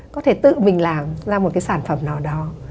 có thể tự mình làm ra một cái sản phẩm nào đó